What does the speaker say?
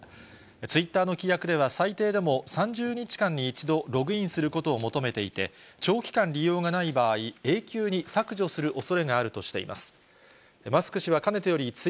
ツイッターの規約では、最低でも３０日間に１度、ログインすることを求めていて、長期間利用がない場合、永久に削除するおそれがあるとしています。